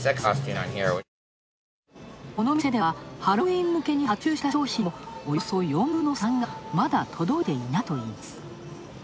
この店では、ハロウィーン向けに発注した商品のおよそ４分の３がまだ届いていないといいます。